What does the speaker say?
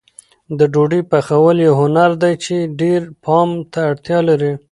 د ډوډۍ پخول یو هنر دی چې ډېر پام ته اړتیا لري.